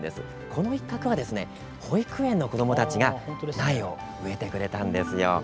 この一角は保育園の子どもたちが苗を植えてくれたんですよ。